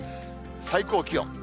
最高気温。